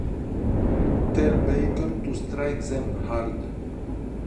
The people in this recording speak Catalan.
"Tell Baker to strike them hard".